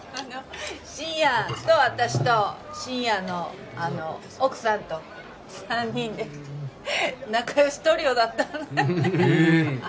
深夜と私と深夜の奥さんと３人で仲良しトリオだったのよ。